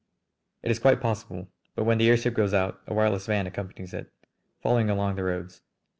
"It is quite possible. But when the airship goes out a wireless van accompanies it, following along the roads.